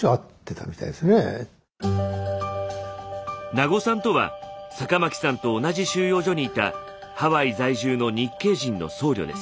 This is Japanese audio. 「名護さん」とは酒巻さんと同じ収容所にいたハワイ在住の日系人の僧侶です。